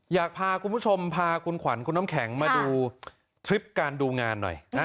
อยากพาคุณผู้ชมพาคุณขวัญคุณน้ำแข็งมาดูทริปการดูงานหน่อย